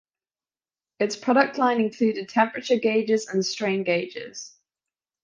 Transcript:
Its product line included temperature gauges and strain gauges.